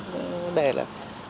vấn đề là